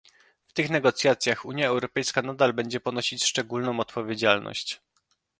W tych negocjacjach Unia Europejska nadal będzie ponosić szczególną odpowiedzialność